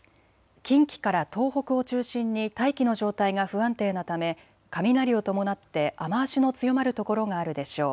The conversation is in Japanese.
近畿から東北を中心に大気の状態が不安定なため雷を伴って雨足の強まる所があるでしょう。